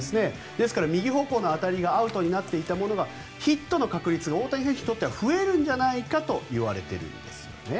ですから、右方向の当たりがアウトになっていたものがヒットの確率が大谷選手にとっては増えるんじゃないかといわれているんです。